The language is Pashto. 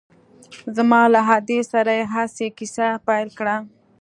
زما له ادې سره يې هسې کيسه پيل کړه.